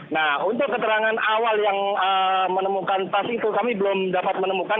nah untuk keterangan awal yang menemukan tas itu kami belum dapat menemukan